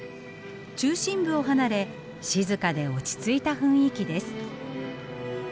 中心部を離れ静かで落ち着いた雰囲気です。